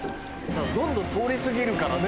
どんどん通り過ぎるからね。